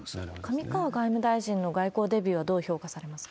上川外務大臣の外交デビューはどう評価されますか？